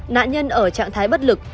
nạn nhân ở trạng thái bất lực